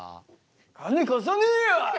金貸さねえよ！